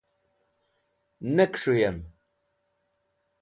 Nẽ kẽs̃hũyẽm